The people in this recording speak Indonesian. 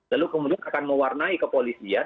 lalu kemudian akan mewarnai kepolisian